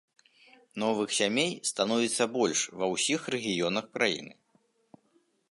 Новых сямей становіцца больш ва ўсіх рэгіёнах краіны.